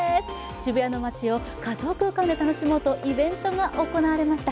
渋谷の街を仮想空間で楽しもうとイベントが行われました。